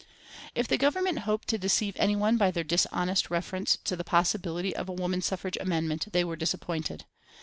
If the Government hoped to deceive any one by their dishonest reference to the possibility of a woman suffrage amendment, they were disappointed.